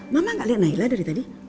mama gak lihat naila dari tadi